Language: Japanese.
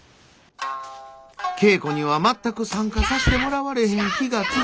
稽古には全く参加さしてもらわれへん日が続き。